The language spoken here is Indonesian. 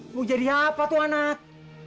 mau jadi apa tuh anak